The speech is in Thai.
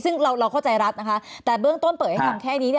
ซึ่งเราเข้าใจรัฐนะคะแต่เบื้องต้นเปิดให้ทำแค่นี้